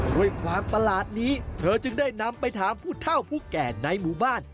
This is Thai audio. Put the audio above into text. ด้วยความประหลาดนี้เธอจึงได้นำไปถามผู้เท่าผู้แก่ในหมู่บ้าน